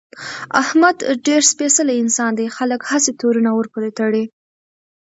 احمد ډېر سپېڅلی انسان دی، خلک هسې تورونه ورپورې تړي.